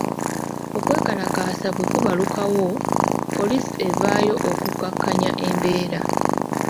Okwekalakaasa bwe kubalukawo, poliisi evaayo okukkakanya embeera.